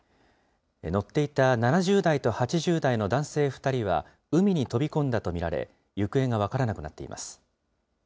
乗っていた７０代と８０代の男性２人は、海に飛び込んだと見られ、行方が分からなくなっています。